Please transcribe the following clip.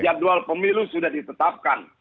jadwal pemilu sudah ditetapkan